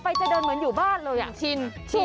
ต่อไปจะเดินเหมือนอยู่บ้านเลย